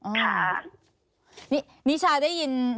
นิชาได้ยินทางรายการเราชัดเจนนะคะ